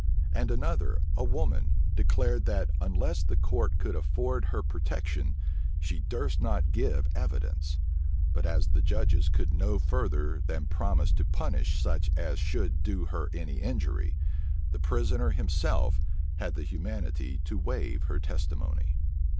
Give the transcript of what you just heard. And another, a woman, declared that, unless the court could afford her protection, she durst not give evidence: but as the judges could go no further than promise to punish such as should do her any injury, the prisoner himself had the humanity to waive her testimony.